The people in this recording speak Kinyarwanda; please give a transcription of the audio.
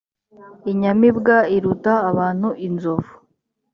inyamibwa iruta abantu inzovu